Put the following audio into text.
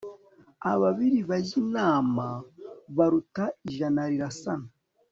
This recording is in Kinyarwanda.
abibiri bajya inama baruta ijana rirasana